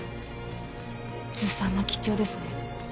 ずさんな記帳ですね。